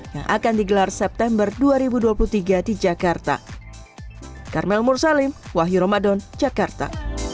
yang akan digelar september dua ribu dua puluh tiga di jakarta